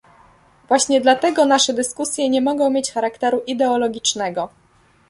Właśnie dlatego nasze dyskusje nie mogą mieć charakteru ideologicznego